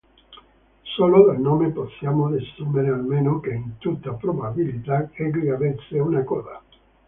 Solo dal nome possiamo desumere almeno che in tutta probabilità egli "avesse" una coda.